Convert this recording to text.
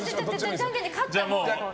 じゃんけんで勝ったほうで。